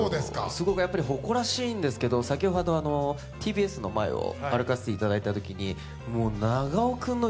すごく誇らしいんですけど先ほどＴＢＳの前を歩かせていただいたときにえ！？